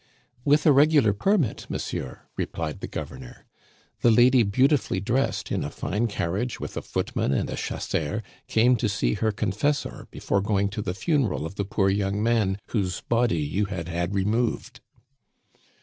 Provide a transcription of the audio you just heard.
"With a regular permit, monsieur," replied the governor. "The lady, beautifully dressed, in a fine carriage with a footman and a chasseur, came to see her confessor before going to the funeral of the poor young man whose body you had had removed."